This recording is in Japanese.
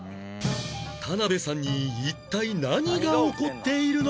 田辺さんに一体何が起こっているのか？